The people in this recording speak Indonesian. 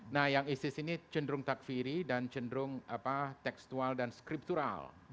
nah yang isis ini cenderung takfiri dan cenderung tekstual dan skriptural